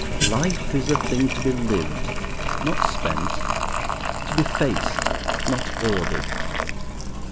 Life is a thing to be lived, not spent, to be faced, not ordered.